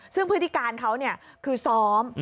ซึ่งพฤติการเขาคือซ้อม